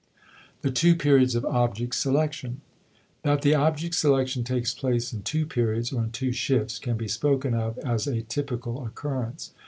*The Two Periods of Object Selection.* That the object selection takes place in two periods, or in two shifts, can be spoken of as a typical occurrence.